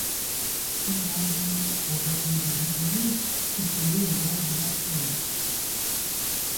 Il grandit au Château de Ripaille situé au bord du lac Léman.